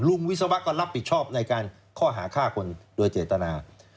วิศวะก็รับผิดชอบในการข้อหาฆ่าคนโดยเจตนา